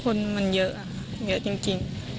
คนมันเยอะเยอะจริง